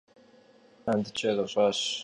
Cedım fend ç'erış'aş.